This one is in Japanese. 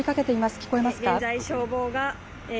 聞こえますか。